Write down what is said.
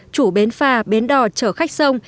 chủ bến phà bến đỏ trở khách sông